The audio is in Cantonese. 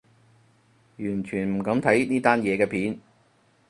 完全唔敢睇呢單嘢嘅片